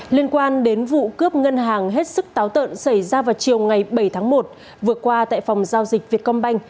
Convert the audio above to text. liên quan đến vụ cướp ngân hàng hết sức táo tợn xảy ra vào chiều ngày bảy tháng một vừa qua tại phòng giao dịch việt công banh